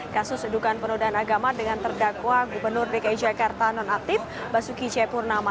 kasus edukan penudahan agama dengan terdakwa gubernur dki jakarta non aktif basuki c purnama